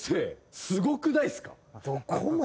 どこまで。